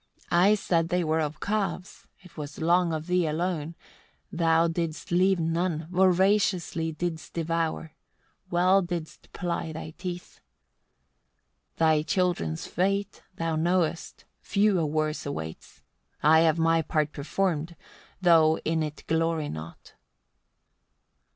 I said they were of calves, it was long of thee alone thou didst leave none, voraciously didst devour, well didst ply thy teeth. 81. Thy children's fate thou knowest, few a worse awaits. I have my part performed, though in it glory not.